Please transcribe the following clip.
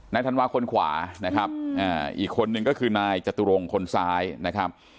ธันวาคนขวานะครับอีกคนนึงก็คือนายจตุรงคนซ้ายนะครับ